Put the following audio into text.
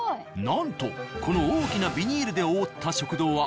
なんとこの大きなビニールで覆った食堂は。